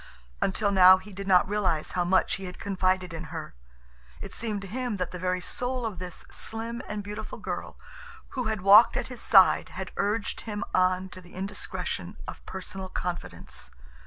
Until now he did not realize how much he had confided in her. It seemed to him that the very soul of this slim and beautiful girl who had walked at his side had urged him on to the indiscretion of personal confidence.